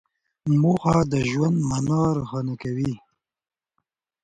موخه د ژوند مانا روښانه کوي.